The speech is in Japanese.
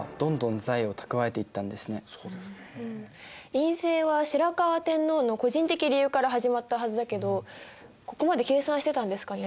院政は白河天皇の個人的理由から始まったはずだけどここまで計算してたんですかね？